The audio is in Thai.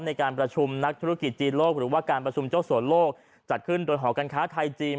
ในการประชุมนักธุรกิจจีนโลกหรือว่าการประชุมเจ้าสัวโลกจัดขึ้นโดยหอการค้าไทยจีน